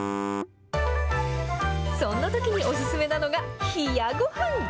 そんなときにお勧めなのが、冷やごはん。